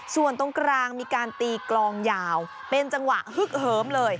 ส่วนตรงกลางมีการตีกลองยาวเป็นจังหวะฮึกเหิมเลย